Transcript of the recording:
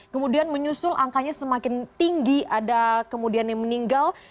kemudian menyusul angkanya semakin tinggi ada kemudian yang meninggal